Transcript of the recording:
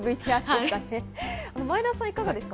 前田さん、いかがですか？